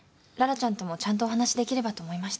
羅ちゃんともちゃんとお話しできればと思いまして。